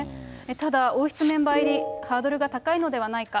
ただ、王室メンバー入り、ハードルが高いのではないか。